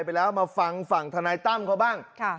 ไปแล้วมาฟังฝั่งธนายตั้มเขาบ้าง